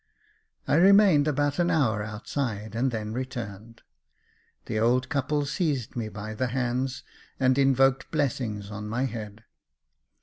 I remained about an hour outside, and then returned. The old couple seized me by the hands, and invoked blessings on my head.